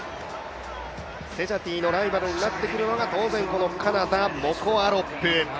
セジャティのライバルになってくるのがカナダ、モコ・アロップ。